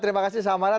terima kasih samara